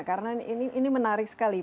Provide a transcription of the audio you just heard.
karena ini menarik sekali